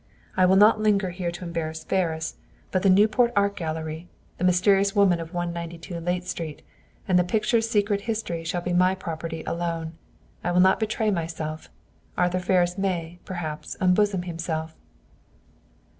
"I will not linger here to embarrass Ferris; but the Newport Art Gallery, the mysterious woman of 192 Layte Street, and the picture's secret history shall be my property alone. I will not betray myself. Arthur Ferris may, perhaps, unbosom himself!"